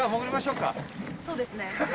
そうですね。